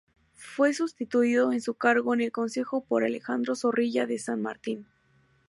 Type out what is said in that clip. Fue sustituido en su cargo en el Consejo por Alejandro Zorrilla de San Martín.